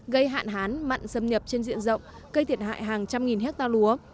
gây hạn hán mặn xâm nhập trên diện rộng cây thiệt hại hàng trăm nghìn hecta lúa